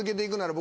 僕